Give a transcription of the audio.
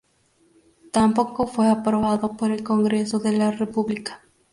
Tampoco fue aprobado por el Congreso de la República.